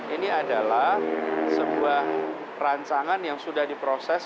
ini adalah sebuah rancangan yang sudah diproses